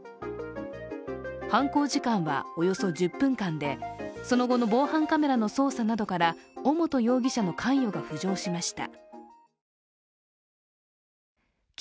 犯行時間は、およそ１０分間で、その後の防犯カメラの捜査などから尾本容疑者の関与が浮上しました。